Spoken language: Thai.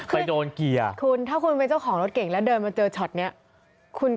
ไปโดนเกียร์คุณถ้าคุณเป็นเจ้าของรถเก่งแล้วเดินมาเจอช็อตนี้คุณ